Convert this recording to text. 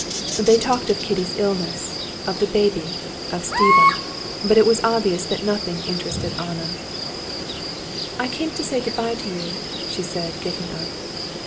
They talked of Kitty's illness, of the baby, of Stiva, but it was obvious that nothing interested Anna. "I came to say good bye to you," she said, getting up.